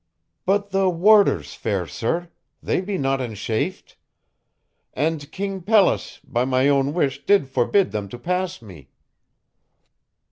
"But the warders, fair sir they be not enchafed. And King Pelles, by my own wish, did forbid them to pass me."